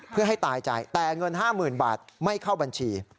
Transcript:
เพื่อให้ตายใจแต่เงิน๕๐๐๐บาทไม่เข้าบัญชี